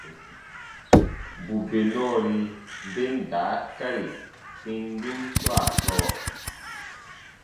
Bù bè nɔɔri ben daakari kpindun swaa sɔɔ,